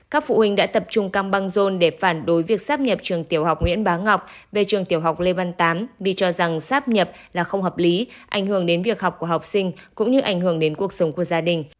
các phụ huynh đã tập trung căng băng rôn để phản đối việc sáp nhập trường tiểu học nguyễn bá ngọc về trường tiểu học lê văn tám vì cho rằng sáp nhập là không hợp lý ảnh hưởng đến việc học của học sinh cũng như ảnh hưởng đến cuộc sống của gia đình